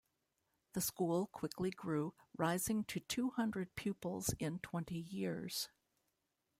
The school quickly grew, rising to two hundred pupils in twenty years.